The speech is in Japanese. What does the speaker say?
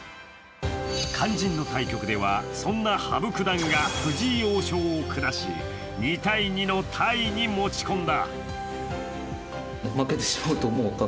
肝心の対局では、そんな羽生九段が藤井王将を下し、２−２のタイに持ち込んだ。